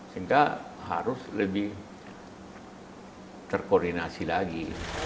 sehingga harus lebih terkoordinasi lagi